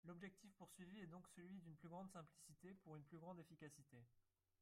L’objectif poursuivi est donc celui d’une plus grande simplicité, pour une plus grande efficacité.